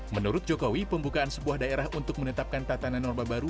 menurut jokowi pembukaan sebuah daerah untuk menetapkan tatanan norma baru